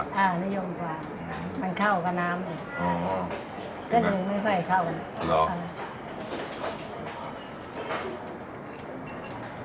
น่าเข้ากับน้ำ